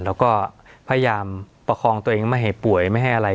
แล้วก็พยายามประคองตัวเองไม่ให้ป่วยไม่ให้อะไร